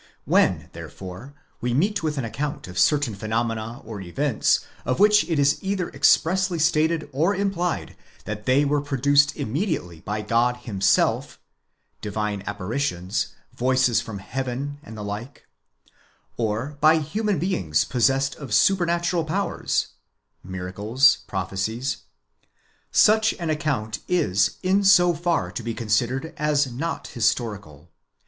When therefore we meet with an account of certain phenomena or events of which it is either expressly stated or implied that they were produced immediately by God himself (divine apparitions—voices from heaven and the like), or by human beings possessed of supernatural powers (miracles, prophecies), such an ac count is 7z so far to be considered as not historical.